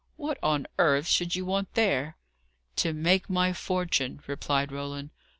"What on earth should you want there?" "To make my fortune," replied Roland.